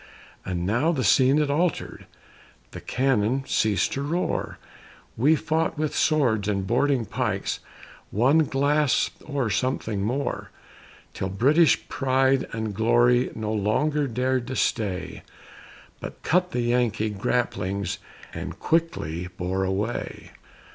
And now the scene it altered, The cannon ceased to roar, We fought with swords and boarding pikes One glass or something more, Till British pride and glory No longer dared to stay, But cut the Yankee grapplings, And quickly bore away.